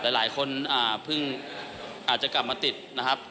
หลายคนเพิ่งอาจจะกลับมาติดนะครับ